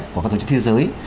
của các tổ chức thế giới